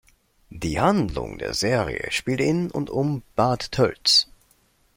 Die Handlung der Serie spielt in und um Bad Tölz.